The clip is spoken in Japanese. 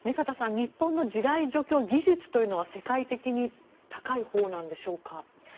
日本の地雷除去技術というのは世界的に高いほうなんでしょうか。